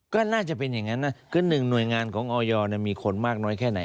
ก็น่าจะเป็นอย่างนั้นนะคือหนึ่งหน่วยงานของออยมีคนมากน้อยแค่ไหน